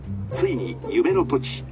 ついに夢の土地